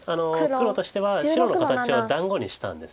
黒としては白の形を団子にしたんです。